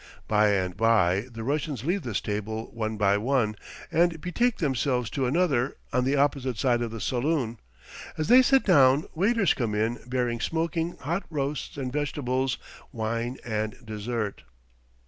By and by the Russians leave this table one by one, and betake themselves to another, on the opposite side of the saloon. As they sit down, waiters come in bearing smoking hot roasts and vegetables, wine and dessert.